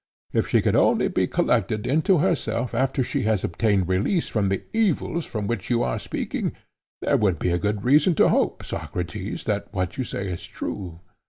If she could only be collected into herself after she has obtained release from the evils of which you are speaking, there would be good reason to hope, Socrates, that what you say is true.